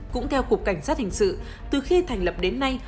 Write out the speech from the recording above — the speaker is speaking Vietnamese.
cũng theo cục cảnh sát hình sự từ khi thành lập đến nay